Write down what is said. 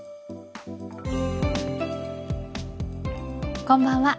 こんばんは。